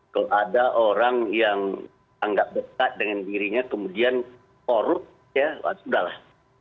kalau ada orang yang anggap dekat dengan dirinya kemudian korup ya sudah lah